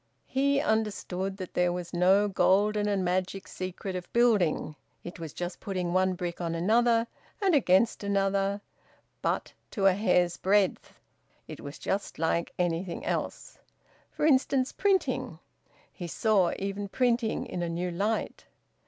He understood that there was no golden and magic secret of building. It was just putting one brick on another and against another but to a hair's breadth. It was just like anything else. For instance, printing! He saw even printing in a new light.